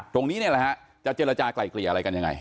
ตรงนี้เนี่ยแหละฮะจะเจรจากลายเกลี่ยอะไรกันยังไง